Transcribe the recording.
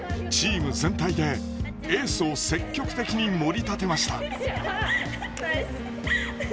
チーム全体でエースを積極的にもり立てました。